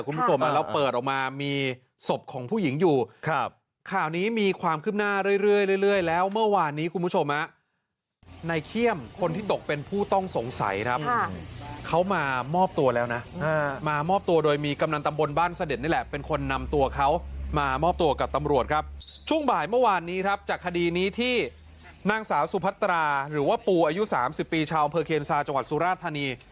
นางสาวสุพัตราหรือว่าปูอายุ๓๐ปีชาวอำเภอเคียนซาจังหวัดสุราธานี